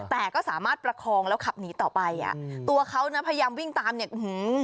แต่ก็สามารถประคองแล้วขับหนีต่อไปอ่ะตัวเขานะพยายามวิ่งตามเนี่ยอื้อหือ